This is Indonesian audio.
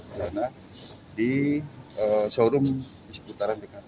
di seputaran dekat